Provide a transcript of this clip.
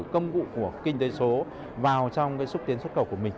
công cụ của kinh tế số vào trong xúc tiến xuất khẩu của mình